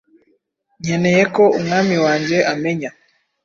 Nkeneye ko umwami wanjye amenya